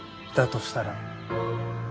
としたら？